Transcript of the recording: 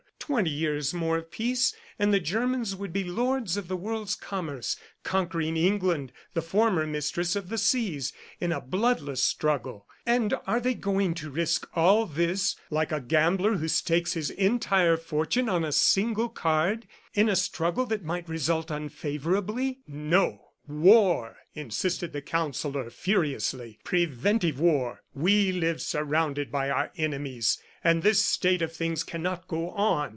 Twenty years more of peace, and the Germans would be lords of the world's commerce, conquering England, the former mistress of the seas, in a bloodless struggle. And are they going to risk all this like a gambler who stakes his entire fortune on a single card in a struggle that might result unfavorably?" ... "No, war," insisted the Counsellor furiously, "preventive war. We live surrounded by our enemies, and this state of things cannot go on.